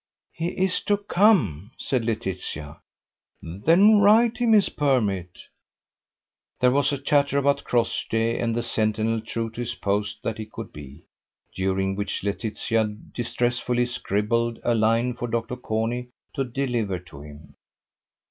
"He is to come," said Laetitia. "Then write him his permit." There was a chatter about Crossjay and the sentinel true to his post that he could be, during which Laetitia distressfully scribbled a line for Dr. Corney to deliver to him.